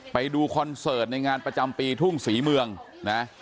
ไปดูคอนเสิร์ตในงานประจำปีทุ่งศรีเมืองนะ